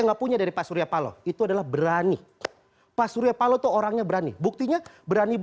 enggak punya dari pak suryapalo itu adalah berani pak suryapalo tuh orangnya berani buktinya berani